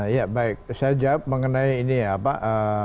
ya baik saya jawab mengenai ini ya pak